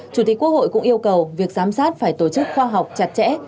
chủ tịch quốc hội cũng yêu cầu việc giám sát phải tổ chức khoa học chặt chẽ